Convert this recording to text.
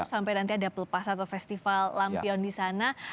sampai nanti ada pelepasan atau festival lampion di sana